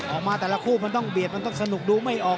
ออกมาแต่ละคู่มันต้องเบียดมันต้องสนุกดูไม่ออก